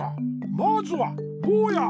まずはぼうや。